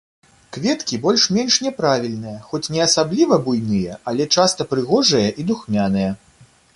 Кветкі больш-менш няправільныя, хоць не асабліва буйныя, але часта прыгожыя і духмяныя.